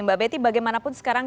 mbak betty bagaimanapun sekarang